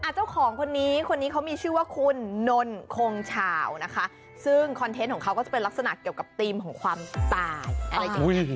เจ้าของคนนี้เขามีชื่อว่าคุณนนคงเฉาซึ่งคอนเทนต์ของเขาก็เป็นลักษณะเกี่ยวกับธีมของความตาย